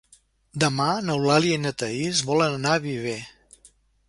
Demà n'Eulàlia i na Thaís volen anar a Viver.